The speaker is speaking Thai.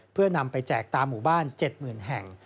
เพื่อนำไปแจกตามหมู่บ้าน๗๐๐แห่ง